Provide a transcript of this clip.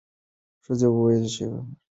ښځو وویل چې قبر یې ویجاړ دی.